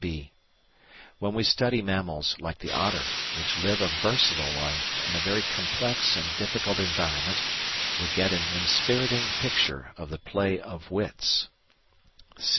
(b) When we study mammals, like the otter, which live a versatile life in a very complex and difficult environment, we get an inspiriting picture of the play of wits.